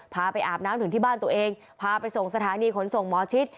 พาไปอาบน้ำถึงที่บ้านตัวเองพาไปส่งสถานีขนส่งหมอชิด